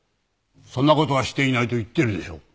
そんな事はしていないと言ってるでしょ。